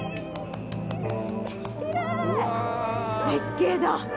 絶景だ！